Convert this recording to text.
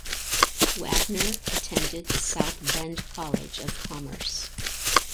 Wagner attended the South Bend College of Commerce.